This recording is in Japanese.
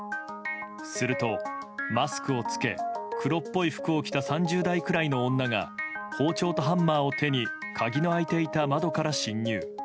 すると、マスクを着け黒っぽい服を着た３０代くらいの女が包丁とハンマーを手に鍵の開いていた窓から侵入。